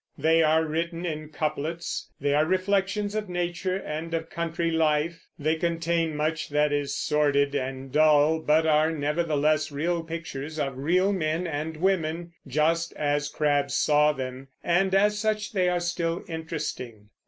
They are written in couplets; they are reflections of nature and of country life; they contain much that is sordid and dull, but are nevertheless real pictures of real men and women, just as Crabbe saw them, and as such they are still interesting.